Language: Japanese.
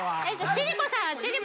千里子さんは？